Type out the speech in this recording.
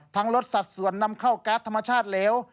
ลดสัดส่วนนำเข้าการ์ดธรรมชาติเหลว